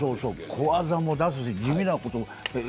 小技も出すし、地味なこともね。